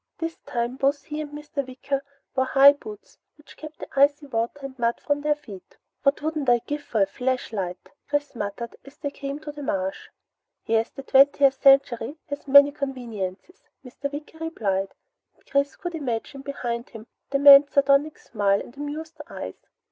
This time both he and Mr. Wicker wore high boots which kept the icy water and mud from their feet. "What I wouldn't give for a flashlight!" Chris muttered as they came to the marsh. "Yes, the twentieth century has many conveniences," Mr. Wicker replied, and Chris could imagine, behind him, the man's sardonic smile and amused eyes.